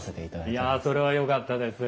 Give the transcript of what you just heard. いやそれはよかったです。